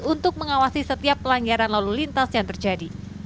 untuk mengawasi setiap pelanggaran lalu lintas yang terjadi